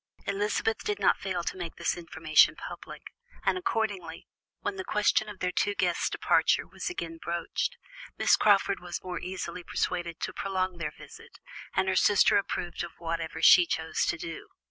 Elizabeth did not fail to make this information public, and accordingly, when the question of their two guests' departure was again broached, Miss Crawford was more easily persuaded to prolong their visit, and her sister approved of whatever she chose to do.